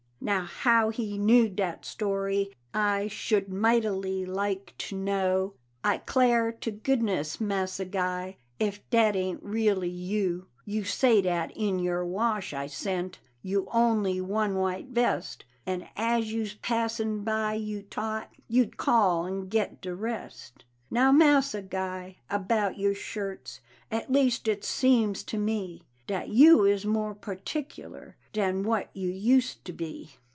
Now how he knew dat story I Should mightily like to know. I 'clar to goodness, Massa Guy, If dat ain't really you! You say dat in your wash I sent You only one white vest; And as you'se passin' by you t'ought You'd call and get de rest. Now, Massa Guy, about your shirts, At least, it seems to me Dat you is more particular Dan what you used to be.